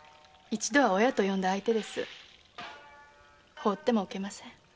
ほうってもおけません。